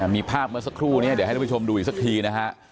มีภาพเมื่อสักครู่นี้เดี๋ยวให้ทุกผู้ชมดูอีกสักทีนะฮะ